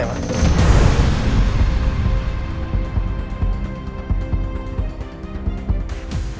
soalnya saya tetamu